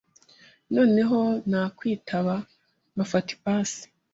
noneho nakwitaba nkafata ipasi